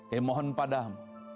kaya mohon padamu